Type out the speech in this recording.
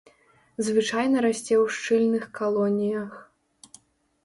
Звычайна расце ў шчыльных калоніях.